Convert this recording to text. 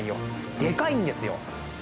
でかいんですよ。